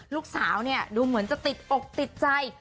ลูกสาวเนี่ยดูเหมือนจะติดอกติดใจ